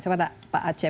siapa tak pak aceh